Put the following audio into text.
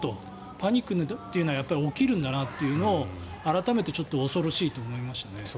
パニックというのはやっぱり起きるんだなというのを改めて恐ろしいなと思いましたね。